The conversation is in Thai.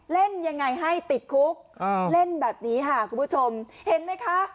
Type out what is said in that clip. เล่นยังไงให้ติดคุกเล่นแบบนี้ค่ะคุณผู้ชมเห็นไหมคะ